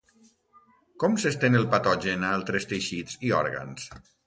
Com s'estén el patogen a altres teixits i òrgans?